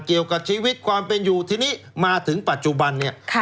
เกี่ยวกับชีวิตความเป็นอยู่ทีนี้มาถึงปัจจุบันเนี่ย